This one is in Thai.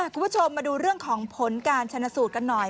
คุณผู้ชมมาดูเรื่องของผลการชนะสูตรกันหน่อย